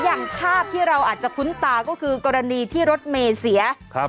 อย่างภาพที่เราอาจจะคุ้นตาก็คือกรณีที่รถเมย์เสียครับ